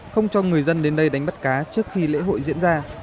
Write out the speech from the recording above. không cho người dân đến đây đánh bắt cá trước khi lễ hội diễn ra